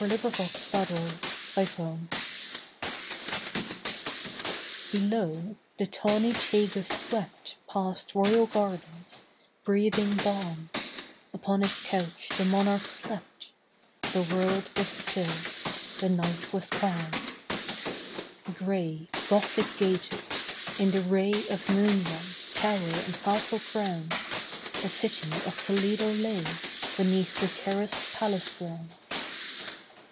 THE DREAM OF RODERICK Below, the tawny Tagus swept Past royal gardens, breathing balm: Upon his couch the monarch slept; The world was still; the night was calm. Gray, Gothic gated, in the ray Of moonrise, tower and castle crowned, The city of Toledo lay Beneath the terraced palace ground.